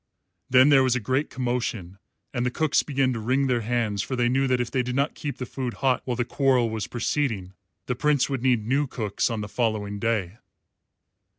Then there was a great commotion, and the cooks began to wring their hands, for they knew that if they did not keep the food hot while the quarrel was proceeding, the Prince would need new cooks on the following day.